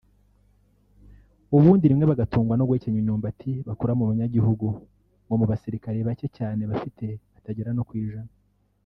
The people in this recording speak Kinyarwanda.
ubundi rimwe bagatungwa no guhekenya imyumbati bakura mu banyagihugu ngo mubasilikare bake cyane bafite batagera no ku ijana